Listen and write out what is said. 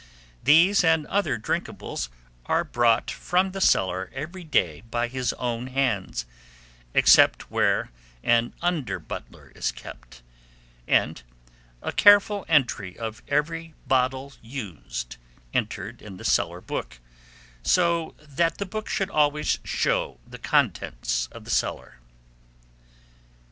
These and other drinkables are brought from the cellar every day by his own hands, except where an under butler is kept; and a careful entry of every bottle used, entered in the cellar book; so that the book should always show the contents of the cellar.